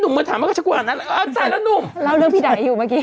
นุ่มมาถามว่าฉันกูอ่านอะไรอ้าวตายแล้วนุ่มเล่าเรื่องพี่ไหนอยู่